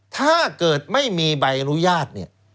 ถ้าเกิดไม่มีใบอนุญาต